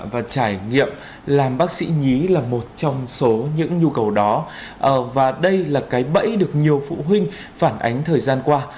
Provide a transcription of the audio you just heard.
và trải nghiệm làm bác sĩ nhí là một trong số những nhu cầu đó và đây là cái bẫy được nhiều phụ huynh phản ánh thời gian qua